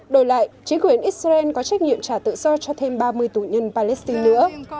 đổi lại chính quyền israel có trách nhiệm trả tự do cho thêm ba mươi tù nhân palestine nữa